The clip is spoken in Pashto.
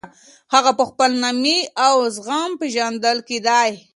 هغه په خپل نامې او زغم پېژندل کېدی.